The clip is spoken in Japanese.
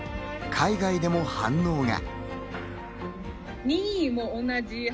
海外でも反応が。